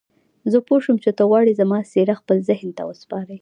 زه پوه شوم چې ته غواړې زما څېره خپل ذهن ته وسپارې.